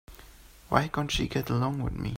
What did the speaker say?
Why can't she get along with me?